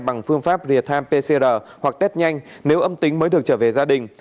bằng phương pháp rìa tham pcr hoặc tết nhanh nếu âm tính mới được trở về gia đình